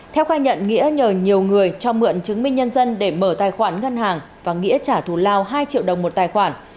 theo khai nhận nghĩa nhờ nhiều người cho mượn chứng minh nhân dân để mở tài khoản ngân hàng và nghĩa trả thù lao hai triệu đồng một tài khoản